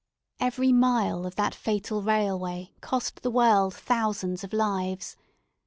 Every mile of that fatal railway cost the world thousands of lives.